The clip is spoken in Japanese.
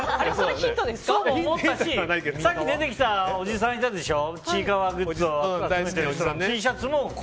さっき出てたおじさんいたでしょ